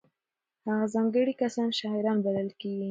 هغه ځانګړي کسان شاعران بلل کېږي.